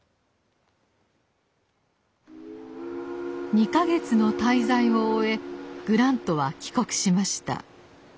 ２か月の滞在を終えグラントは帰国しました。